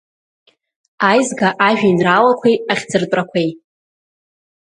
Аизга Ажәеинраалақәеи ахьӡыртәрақәеи.